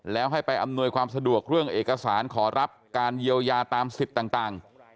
แล้วให้ไปอำนวยความสะดวกเรื่องเอกสารขอรับการเยียวยาตามสิทธิ์ต่าง